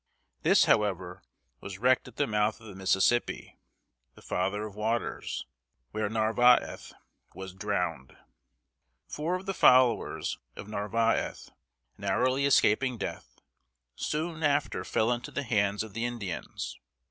This, however, was wrecked at the mouth of the Mississippi ("The Father of Waters"), where Narvaez was drowned. Four of the followers of Narvaez, narrowly escaping death, soon after fell into the hands of the Indians.